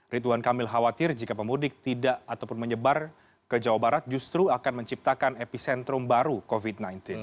rituan kamil khawatir jika pemudik tidak ataupun menyebar ke jawa barat justru akan menciptakan epicentrum baru covid sembilan belas